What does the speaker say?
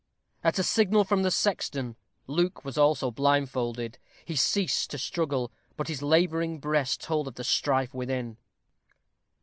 At a signal from the sexton, Luke also was blindfolded. He ceased to struggle. But his laboring breast told of the strife within.